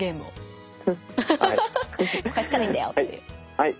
はい。